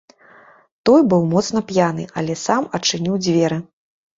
Той быў моцна п'яны, але сам адчыніў дзверы.